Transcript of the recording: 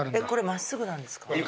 これ真っすぐなんですか？